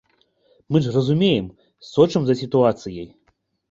Мы ж разумеем, сочым за сітуацыяй!